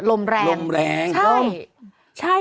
ลมแรงใช่